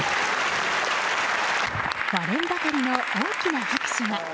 割れんばかりの大きな拍手が。